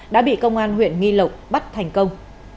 đã bị công an huyện nghi lộc bắt thành công